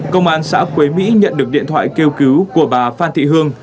công an xã quế mỹ nhận được điện thoại kêu cứu của bà phan thị hương